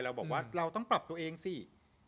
เราบอกว่าเราต้องปรับตัวเองสิ